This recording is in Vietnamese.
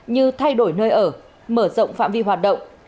như thay đổi nơi ở mở rộng phạm vi hoạt động